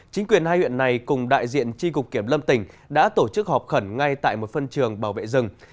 chính quyền hai huyện này cùng đại diện tri cục kiểm lâm tỉnh đã tổ chức họp khẩn ngay tại một phân trường bảo vệ rừng